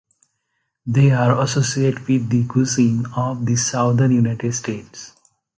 They are associated with the cuisine of the Southern United States.